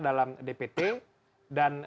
dalam dpt dan